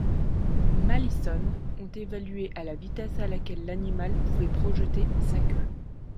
Mallison ont évalué à la vitesse à laquelle l’animal pouvait projeter sa queue.